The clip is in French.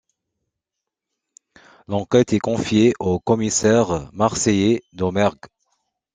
L’enquête est confiée au commissaire marseillais, Domergue.